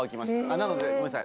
なのでごめんなさい